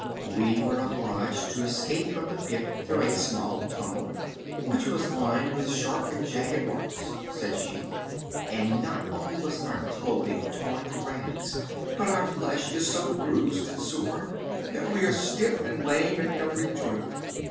"We were obliged to escape from the pit through a small tunnel, which was lined with sharp and jagged rocks," said she, "and not only was our clothing torn to rags but our flesh is so bruised and sore that we are stiff and lame in every joint.